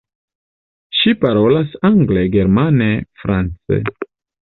Ŝi parolas angle, germane, france.